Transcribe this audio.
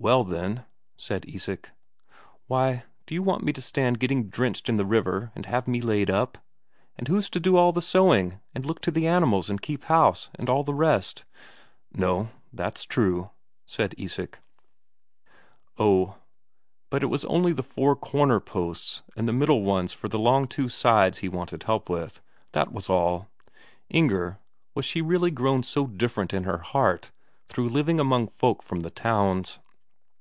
"Well, then " said Isak. "Why, do you want me to stand getting drenched in the river and have me laid up? And who's to do all the sewing, and look to the animals and keep house, and all the rest?" "No, that's true," said Isak. Oh, but it was only the four corner posts and the middle ones for the two long sides he wanted help with, that was all. Inger was she really grown so different in her heart through living among folk from the towns?